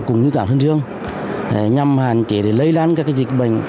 cùng như cảng sơn dương nhằm hạn chế để lây lan các dịch bệnh